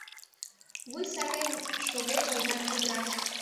Вуй сакен шоген ойган чодыра.